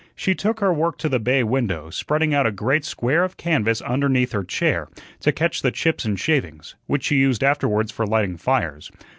She took her work to the bay window, spreading out a great square of canvas underneath her chair, to catch the chips and shavings, which she used afterwards for lighting fires.